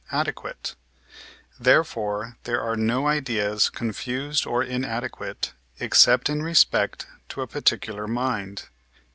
adequate; therefore there are no ideas confused or inadequate, except in respect to a particular mind (cf.